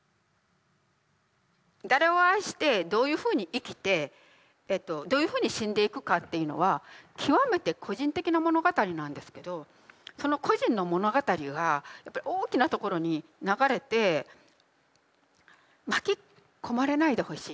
誰を愛してどういうふうに生きてどういうふうに死んでいくかっていうのは極めて個人的な物語なんですけどその個人の物語がやっぱり大きなところに流れて巻き込まれないでほしい。